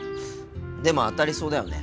でも当たりそうだよね。